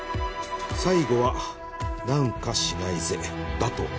最後は「なんかしないぜ」だと思われます。